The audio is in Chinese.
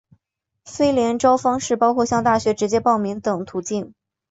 非联招方式包括向大学直接报名等途径。